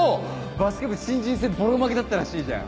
バスケ部新人戦ボロ負けだったらしいじゃん。